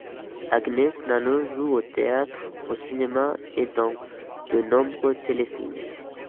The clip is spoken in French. Agnese Nano joue au théâtre, au cinéma et dans de nombreux téléfilms.